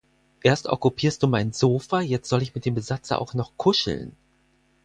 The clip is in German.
Erst okkupierst du mein Sofa, jetzt soll ich mit dem Besatzer auch noch kuscheln!